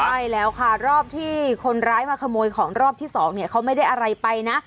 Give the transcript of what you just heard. ใช่แล้วค่ะรอบที่คนร้ายมาขโมยของรอบที่สองเนี่ยเขาไม่ได้อะไรไปนะ